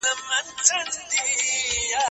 هر هيواد به خپله خپلواکه بهرنۍ تګلاره لري.